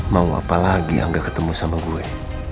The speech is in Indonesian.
mau apa lagi yang gak ketemu sama gue